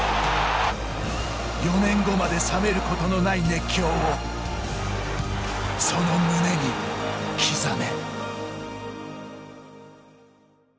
４年後まで冷めることのない熱狂をその胸に刻め。